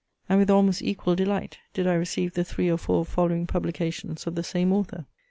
And with almost equal delight did I receive the three or four following publications of the same author.